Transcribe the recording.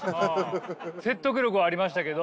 説得力はありましたけど。